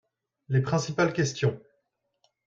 Les principales questions.